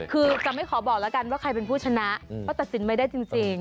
คือจะไม่ขอบอกแล้วกันว่าใครเป็นผู้ชนะเพราะตัดสินไม่ได้จริง